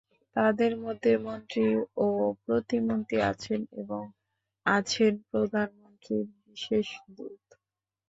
তাঁদের মধ্যে মন্ত্রী ও প্রতিমন্ত্রী আছেন এবং আছেন প্রধানমন্ত্রীর বিশেষ দূত।